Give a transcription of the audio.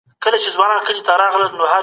د ارغنداب سیند د بزګر ژوند ته امید بخښي.